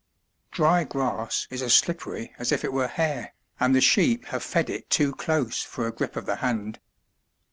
Dry grass is as slippery as if it were hair, and the sheep have fed it too close for a grip of the hand.